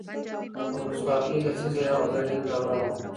د ولسواکۍ لسيزه يوه زرينه دوره وه.